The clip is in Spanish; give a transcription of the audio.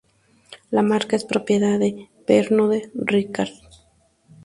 La marca es propiedad de Pernod Ricard.